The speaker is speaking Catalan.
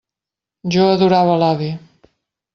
Jo adorava l'avi.